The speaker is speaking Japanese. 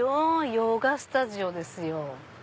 ヨガスタジオですよ。